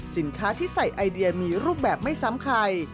สินค้าที่ใส่ไอเดียมีรูปแบบไม่ซ้ำใคร